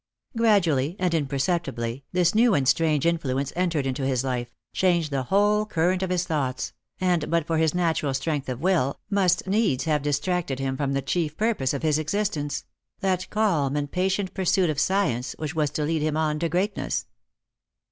Gradually and imperceptibly this new and strange influence entered into his life, changed the whole current of his thoughts, and, but for his natural strength of will, must needs have distracted him from the chiet purpose of his existence — that calm and patient pursuit of science which was to lead him on to greatness.